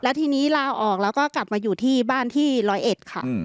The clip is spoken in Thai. ทีนี้ลาออกแล้วก็กลับมาอยู่ที่บ้านที่ร้อยเอ็ดค่ะ